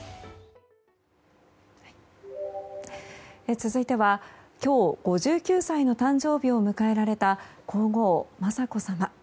続いては今日５９歳の誕生日を迎えられた皇后・雅子さま。